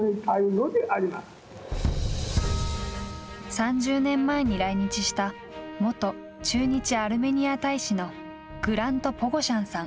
３０年前に来日した元駐日アルメニア大使のグラント・ポゴシャンさん。